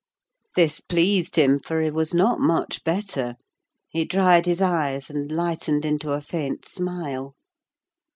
This pleased him, for he was not much better: he dried his eyes, and lightened into a faint smile.